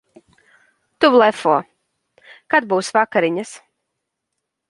Tu blefo. Kad būs vakariņas?